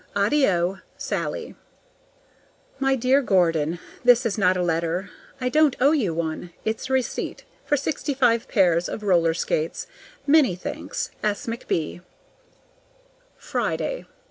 ADDIO! SALLIE. My dear Gordon: This is not a letter, I don't owe you one, it's a receipt for sixty five pairs of roller skates. Many thanks. S. McB. Friday.